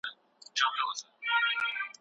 سالم خوراک ناروغۍ کموي.